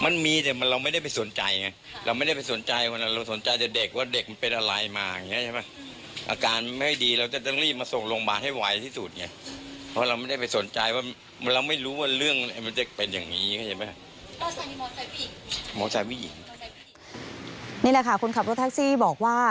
นี่แหละค่ะคนขับรถแท็กซี่บอกว่า